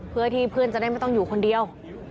เพื่อที่เพื่อนจะได้ไม่ต้องอยู่คนเดียว